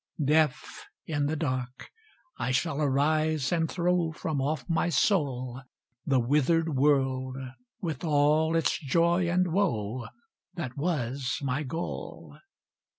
Deaf, in the dark, I shall arise and throw From off my soul, The withered world with all its joy and woe, That was my goal.